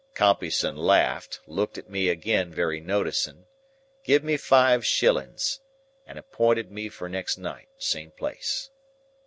"Compeyson laughed, looked at me again very noticing, giv me five shillings, and appointed me for next night. Same place.